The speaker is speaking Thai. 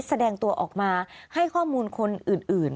แสดงตัวออกมาให้ข้อมูลคนอื่น